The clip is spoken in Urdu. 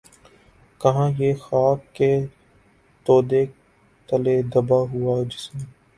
کہاں یہ خاک کے تودے تلے دبا ہوا جسم